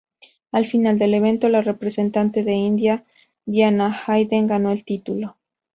Al final del evento, la representante de India Diana Hayden ganó el título.